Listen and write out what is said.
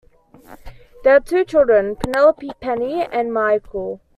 They had two children, Penelope "Penny" and Michael.